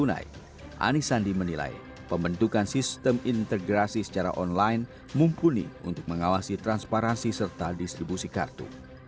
anis sandi menilai pembentukan sistem integrasi secara online mumpuni untuk mengawasi transparansi serta distribusi kartu